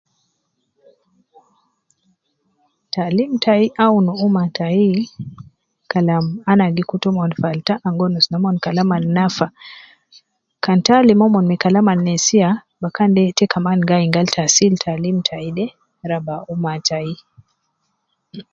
Taalim tai awunu umma tayi . Kalam ana gikutu umon falta anguwonusu nomon kalam alnafa. Kan ita alim umon ma Kalam al nesiya, bakan de yeta gayin gal taasil ilim ta de raba umma tayi.